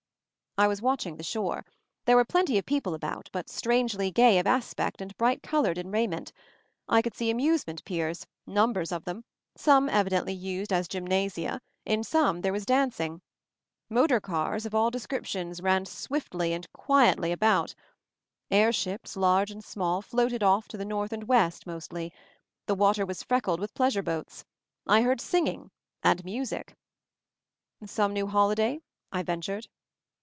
I was watching the shore. There were plenty of people about, but strangely gay of aspect and bright colored in raiment. I could see amusement piers — numbers of them — some evidently used as gymnasia, in some there was dancing. Motor cars of all descriptions ran swiftly and quietly 62 MOVING THE MOUNTAIN about. Air ships, large and small, floated off, to the north and west mostly. The water was freckled with pleasure boats. I heard singing — and music. "Some new holiday?" I ventured.